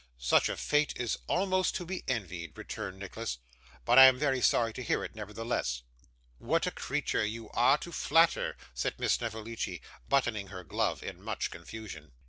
'Such a fate is almost to be envied,' returned Nicholas, 'but I am very sorry to hear it nevertheless.' 'What a creature you are to flatter!' said Miss Snevellicci, buttoning her glove in much confusion.